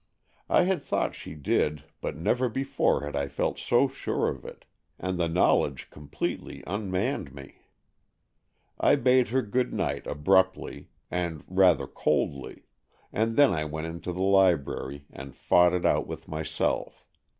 I had thought she did, but never before had I felt so sure of it,—and the knowledge completely unmanned me. I bade her good night abruptly, and rather coldly, and then I went into the library and fought it out with myself.